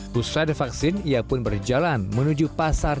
khususnya devaksin ia pun berjalan menuju pasar